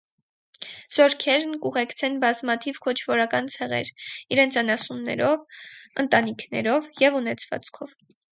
Զորքերուն կ՝ ուղեկցէին բազմաթիւ քոչւորական ցեղեր՝ իրենց անասուններով, ընտանիքներով եւ ունեցուածքով։